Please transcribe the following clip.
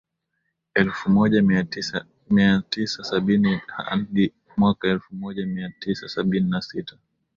elfu moja mia tisa sabini hadi mwaka elfu moja mia tisa sabini na sita